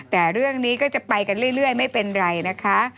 แต่เรื่องนี้ก็จะไปกันเรื่อยไม่เป็นไรนะคะ